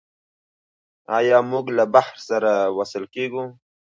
آیا موږ له بحر سره وصل کیږو؟